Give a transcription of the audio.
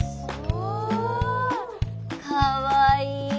かわいい。